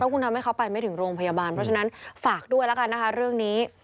คุณทำให้เขาไปไม่ถึงโรงพยาบาลเพราะฉะนั้นฝากด้วยแล้วกันนะคะเรื่องนี้